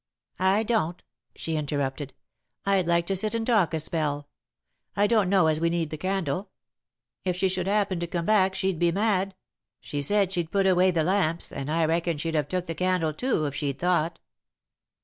"I don't," she interrupted. "I'd like to sit and talk a spell. I don't know as we need the candle. If she should happen to come back, she'd be mad. She said she'd put away the lamps, and I reckon she'd have took the candle, too, if she'd thought."